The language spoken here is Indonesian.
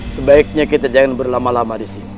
sebaiknya kita jangan berlama lama disini